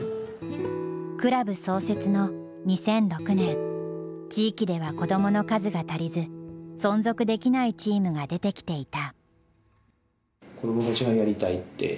クラブ創設の２００６年地域では子どもの数が足りず存続できないチームが出てきていた。